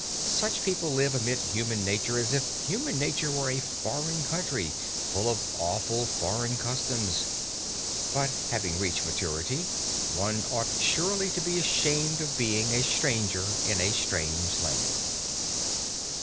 Such people live amid human nature as if human nature were a foreign country full of awful foreign customs. But, having reached maturity, one ought surely to be ashamed of being a stranger in a strange land!